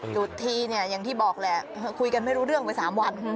จุดทีเนี่ยอย่างที่บอกแหละคุยกันไม่รู้เรื่องไป๓วัน